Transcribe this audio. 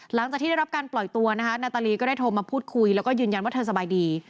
หลังจากที่ได้รับการปล่อยตัวนะคะนาตาลีก็ได้โทรมาพูดคุยแล้วก็ยืนยันว่าเธอสบายดี